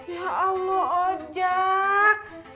ya allah ojak